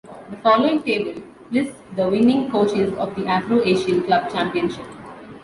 The following table lists the winning coaches of the Afro-Asian Club Championship.